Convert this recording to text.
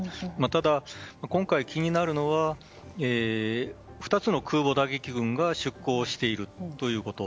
ただ、今回、気になるのは２つの空母が出航しているということ。